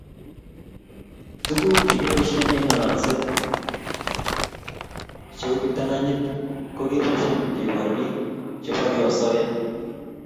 tuguk che keboishe eng' ngalset cheu kiptanganyit ko keboishe kebor piik che porie asoya